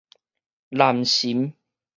南潯